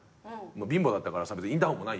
貧乏だったからインターホンもない家よ。